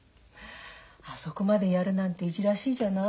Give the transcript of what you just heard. あそこまでやるなんていじらしいじゃない？